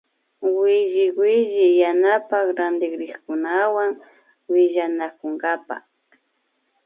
Williwilli yanapan rantiriakkunawan willanakunkapa